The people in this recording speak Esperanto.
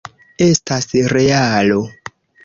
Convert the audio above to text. Estas realo.